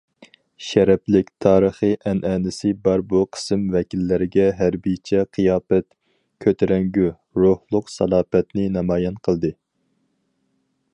شەرەپلىك تارىخىي ئەنئەنىسى بار بۇ قىسىم ۋەكىللەرگە ھەربىيچە قىياپەت، كۆتۈرەڭگۈ، روھلۇق سالاپەتنى نامايان قىلدى.